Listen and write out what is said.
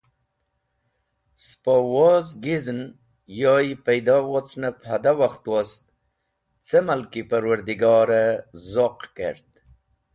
Spo woz gizn yoy paydo wocnep hada wakht wost ce mal ki Parwardigore zoq kert.